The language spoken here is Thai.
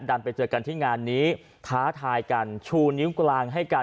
ดันไปเจอกันที่งานนี้ท้าทายกันชูนิ้วกลางให้กัน